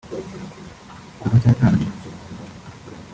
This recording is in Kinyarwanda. Kuva cyatangira